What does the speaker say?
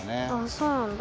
そうなんだ。